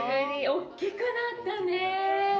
大きくなったね。